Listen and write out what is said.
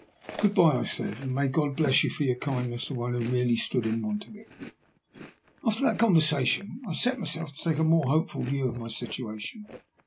" Good bye," I said, " and may God bless you for your kindness to one who really stood in want of it." After that conversation I set myself to take a more hopeful view of my situation.